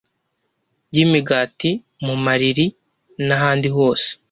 Y imigati mu mariri n ahandi hose